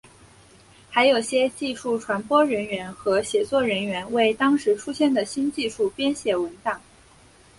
还有些技术传播人员和写作人员为当时出现的新技术编写文档。